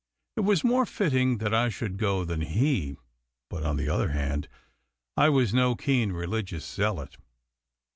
It was more fitting that I should go than he. But, on the other hand, I was no keen religious zealot.